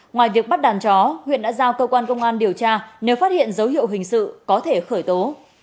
ngoài việc bắt đàn chó huyện đã giao cơ quan công an điều tra nếu phát hiện dấu hiệu hình sự có thể khởi tố